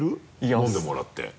飲んでもらって。